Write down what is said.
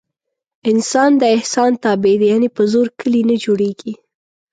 انسان د احسان تابع دی. یعنې په زور کلي نه جوړېږي.